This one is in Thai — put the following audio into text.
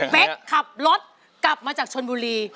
ขับรถกลับมาจากชนบุรี